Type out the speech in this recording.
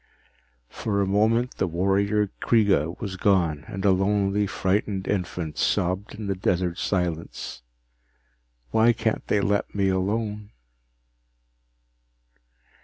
For a moment, the warrior Kreega was gone and a lonely, frightened infant sobbed in the desert silence. _Why can't they let me alone?